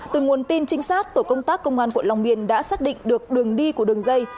từ nguồn tin trinh sát tổ công tác công an quận long biên đã xác định được đường đi của đường dây